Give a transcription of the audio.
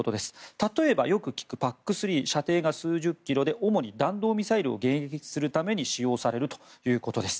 例えば、よく聞くＰＡＣ３は射程が数十キロで主に弾道ミサイルを迎撃するために使用されるということです。